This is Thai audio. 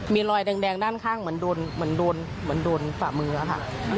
มีรอยแดงด้านข้างเหมือนโดนฝ่ามือค่ะ